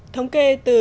thống kê từ